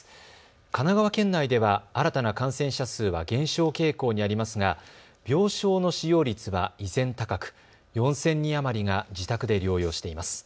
神奈川県内では新たな感染者数は減少傾向にありますが病床の使用率は依然、高く４０００人余りが自宅で療養しています。